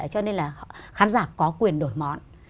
cho nên là khán giả có quyền đổi món